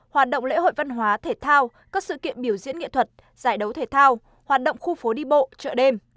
hoạt động lễ hội văn hóa thể thao các sự kiện biểu diễn nghệ thuật giải đấu thể thao hoạt động khu phố đi bộ chợ đêm